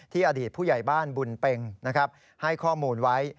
อดีตผู้ใหญ่บ้านบุญเป็งให้ข้อมูลไว้